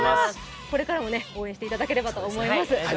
これからも応援していただければと思います。